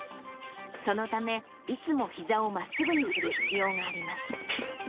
そのため、いつもひざをまっすぐにする必要があります。